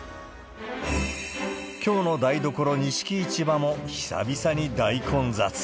京の台所、錦市場も久々に大混雑。